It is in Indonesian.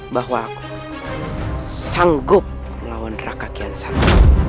bahwa aku sanggup melawan rakak yang sama